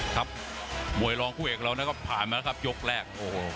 ครับมวยรองคู่เอกเรานั้นก็ผ่านมาแล้วครับยกแรกโอ้โห